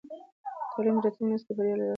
تعلیم د راتلونکي نسل د بریا لاره هواروي.